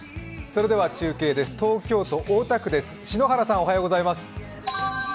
それでは中継です、東京都大田区です。